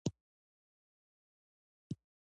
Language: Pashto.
افغانستان کې د هېواد مرکز د خلکو د خوښې وړ ځای دی.